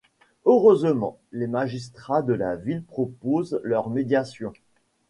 Heureusement, les magistrats de la ville proposent leur médiation.